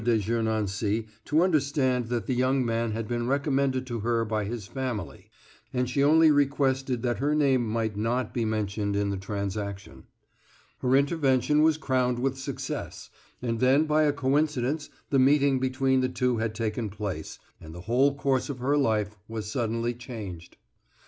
de Gernancé to understand that the young man had been recommended to her by his family, and she only requested that her name might not be mentioned in the transaction. Her intervention was crowned with success, and then by a coincidence the meeting between the two had taken place and the whole course of her life was suddenly changed.